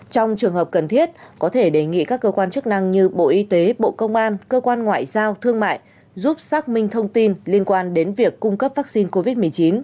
trong trường hợp cần thiết có thể đề nghị các cơ quan chức năng như bộ y tế bộ công an cơ quan ngoại giao thương mại giúp xác minh thông tin liên quan đến việc cung cấp vaccine covid một mươi chín